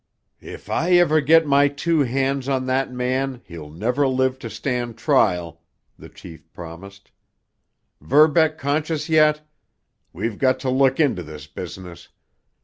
"If I ever get my two hands on that man he'll never live to stand trial!" the chief promised. "Verbeck conscious yet? We've got to look into this business.